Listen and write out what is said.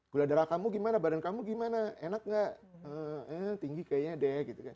gula darah kamu gimana badan kamu gimana enak gak tinggi kayaknya deh